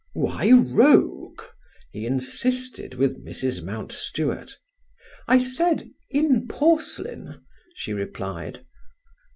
"Why rogue?" he insisted with Mrs. Mountstuart. "I said in porcelain," she replied.